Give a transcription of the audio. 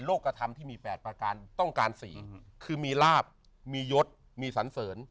ก็ทำเท่าคุณมีแปดประการต้องการสี่คือมีลาบมียศมีสั้น